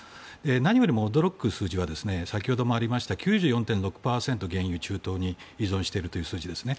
何よりも驚く数字は先ほどもありました９４．６％中東に依存しているという数値ですね。